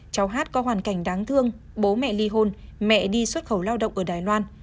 cháu hát có hoàn cảnh đáng thương bố mẹ ly hôn mẹ đi xuất khẩu lao động ở đài loan